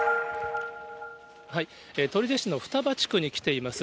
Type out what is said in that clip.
取手市の双葉地区に来ています。